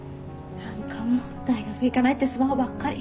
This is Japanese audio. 何かもう大学行かないってスマホばっかり。